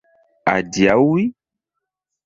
Adiaŭi?